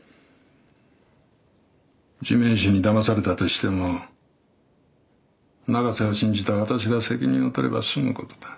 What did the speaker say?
地面師にだまされたとしても永瀬を信じた私が責任を取れば済むことだ。